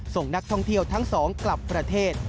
ส่งนักท่องเที่ยวทั้งสองกลับประเทศ